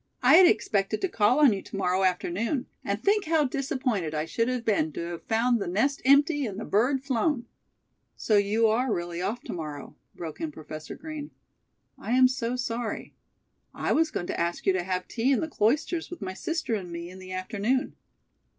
I had expected to call on you to morrow afternoon, and think how disappointed I should have been to have found the nest empty and the bird flown." "So you are really off to morrow?" broke in Professor Green. "I am so sorry. I was going to ask you to have tea in the Cloisters with my sister and me in the afternoon."